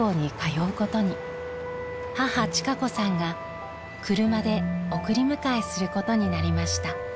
母千香子さんが車で送り迎えすることになりました。